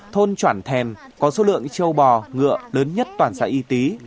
thôn chản thèm có số lượng châu bò ngựa lớn nhất toàn xã y tý